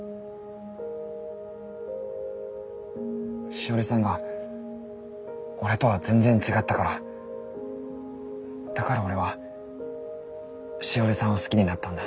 しおりさんが俺とは全然違ったからだから俺はしおりさんを好きになったんだ。